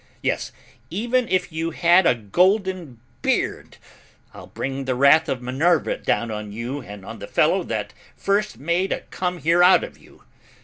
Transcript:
Yes, even if you had a golden beard. I'll bring the wrath of Minerva down on you and on the fellow that first made a come here out of you.